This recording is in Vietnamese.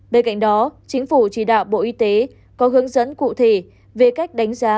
bên cạnh đó chính phủ chỉ đạo bộ y tế có hướng dẫn cụ thể về cách đánh giá